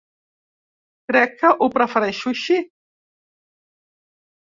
Crec que ho prefereixo així.